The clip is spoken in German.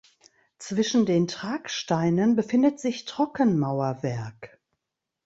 Zwischen den Tragsteinen befindet sich Trockenmauerwerk.